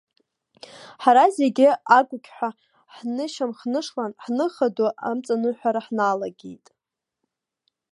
Ҳара зегьы агәырқьҳәа ҳнышьамхнышлан, ҳныха ду амҵаныҳәара ҳналагеит.